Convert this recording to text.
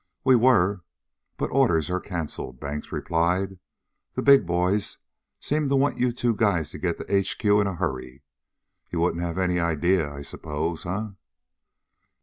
"We were, but orders are canceled," Banks replied. "The big boys seem to want you two to get to H.Q. in a hurry. You wouldn't have any idea, I suppose, huh?